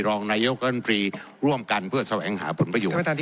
รองนายกรัฐมนตรีร่วมกันเพื่อแสวงหาผลประโยชน์